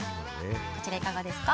こちら、いかがですか？